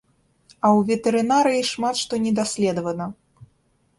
А ў ветэрынарыі шмат што не даследавана.